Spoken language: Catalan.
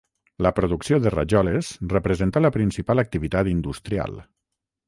La producció de rajoles representà la principal activitat industrial.